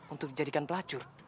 untuk dijadikan pelacur